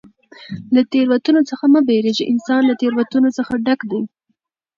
له تېروتنو څخه مه بېرېږه! انسان له تېروتنو څخه ډک دئ.